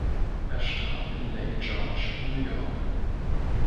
Er starb in Lake George in New York.